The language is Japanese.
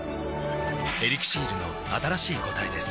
「エリクシール」の新しい答えです